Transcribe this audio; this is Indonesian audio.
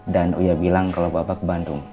dan uya bilang kalau bapak ke bandung